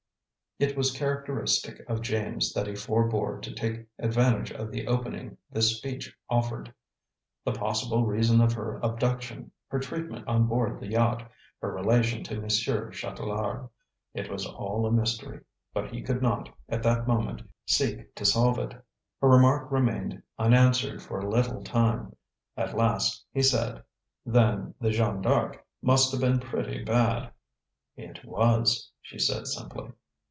It was characteristic of James that he forebore to take advantage of the opening this speech offered. The possible reason of her abduction, her treatment on board the yacht, her relation to Monsieur Chatelard it was all a mystery, but he could not, at that moment, seek to solve it. Her remark remained unanswered for a little time; at last he said: "Then the Jeanne D'Arc must have been pretty bad." "It was," she said simply.